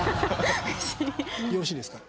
よろしいですか？